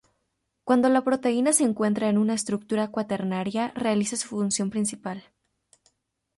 Cuando la proteína se encuentra en estructura cuaternaria realiza su función principal.